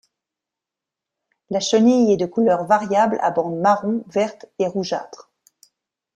La chenille est de couleur variable à bandes marron, vertes et rougeâtres.